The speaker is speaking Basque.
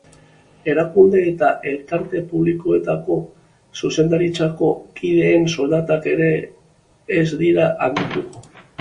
Erakunde eta elkarte publikoetako zuzendaritzako kideen soldatak ere ez dira handituko.